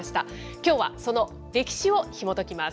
きょうはその歴史をひもときます。